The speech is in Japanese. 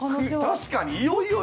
確かにいよいよよ